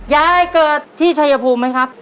ยายเกิดที่ชัยภูมิไหมครับ